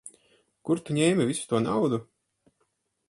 Kur tu ņēmi visu to naudu?